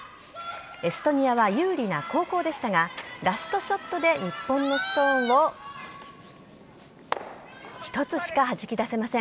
エストニアは有利な後攻でしたがラストショットで日本のストーンを１つしかはじき出せません。